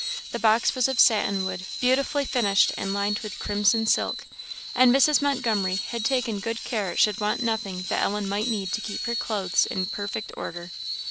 The box was of satinwood, beautifully finished, and lined with crimson silk; and Mrs. Montgomery had taken good care it should want nothing that Ellen might need to keep her clothes in perfect order.